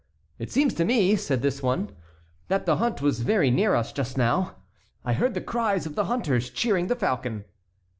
"It seems to me," said this one, "that the hunt was very near us just now. I heard the cries of the hunters cheering the falcon."